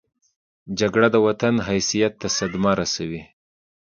جګړه د وطن حیثیت ته صدمه رسوي